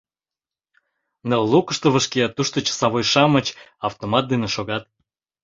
Ныл лукышто вышке, тушто часовой-шамыч автомат дене шогат.